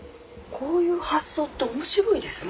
こういう発想って面白いですね。